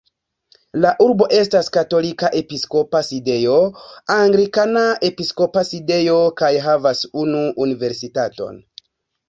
La urbo estas katolika episkopa sidejo, anglikana episkopa sidejo kaj havas unu universitaton.